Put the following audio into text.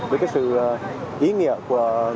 với sự ý nghĩa của